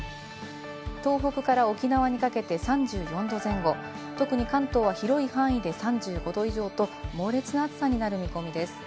東北から沖縄にかけて３４度前後、特に関東は広い範囲で３５度以上と猛烈な暑さになる見込みです。